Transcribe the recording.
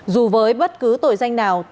dù với bất cứ tội danh nào